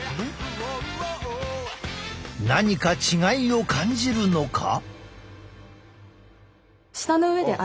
何か違いを感じるのか？